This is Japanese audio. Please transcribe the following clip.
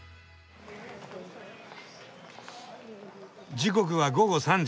時刻は午後３時。